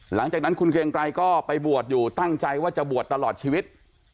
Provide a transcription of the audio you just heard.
หลังจากนั้นคุณเกรงไกรก็ไปบวชอยู่ตั้งใจว่าจะบวชตลอดชีวิต